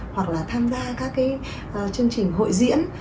hoặc là tham gia các chương trình hội diễn